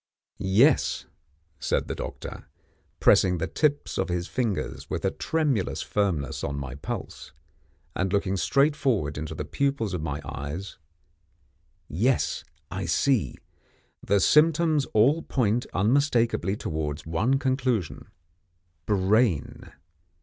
"Yes," said the doctor, pressing the tips of his fingers with a tremulous firmness on my pulse, and looking straight forward into the pupils of my eyes, "yes, I see: the symptoms all point unmistakeably towards one conclusion Brain.